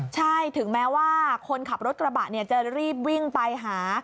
ใช่ถึงแม้ว่าคนขับรถกระบะจะรีบวิ่งไปหา